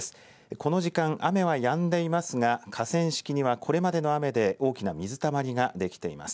この時間、雨はやんでいますが河川敷にはこれまでの雨で大きな水たまりができています。